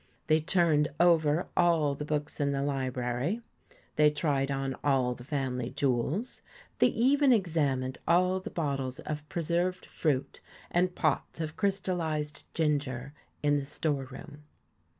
They turned over all the books in the library, they tried on all the family jewels, they even examined all the bottles of preserved fruit, and pots of crystallised ginger, in the storeroom.